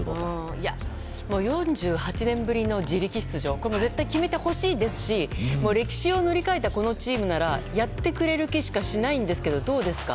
いや、４８年ぶりの自力出場絶対決めてほしいですし歴史を塗り替えたこのチームならやってくれる気しかしないんですが、どうですか？